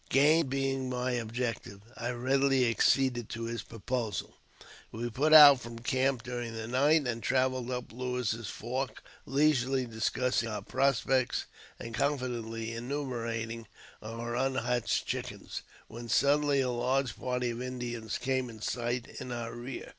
Gain being my object, I readily acceded to his proposal. We put out from ■camp during the night, and travelled up Lewis's Fork, leisurely ■discussing our prospects and confidently enumerating our ^inhatched chickens, when suddenly a large party of Indians came in sight in our rear.